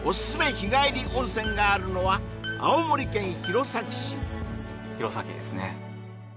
日帰り温泉があるのは青森県弘前市弘前ですね